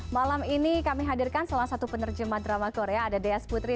malam ini kami hadirkan salah satu penerjemah drama korea ada deas putri